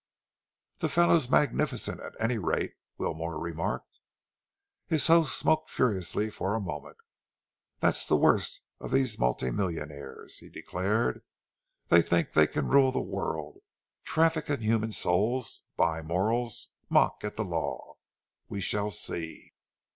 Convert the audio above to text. "The fellow's magnificent, at any rate," Wilmore remarked. His host smoked furiously for a moment. "That's the worst of these multi millionaires," he declared. "They think they can rule the world, traffic in human souls, buy morals, mock at the law. We shall see!"